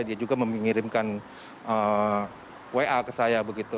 dia juga mengirimkan wa ke saya begitu